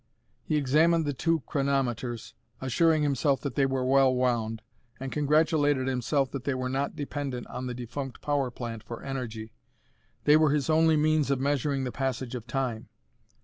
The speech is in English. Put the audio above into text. '" He examined the two chronometers, assuring himself that they were well wound, and congratulated himself that they were not dependent on the defunct power plant for energy. They were his only means of measuring the passage of time.